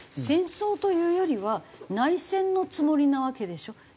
戦争というよりは内戦のつもりなわけでしょ？